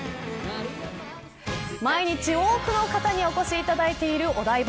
毎日多くの方にお越しいただいているお台場